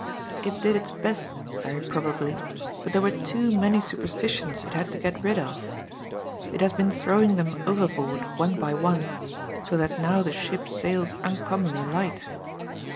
It did its best very probably, but there were too many superstitions it had to get rid of. It has been throwing them overboard one by one, so that now the ship sails uncommonly light.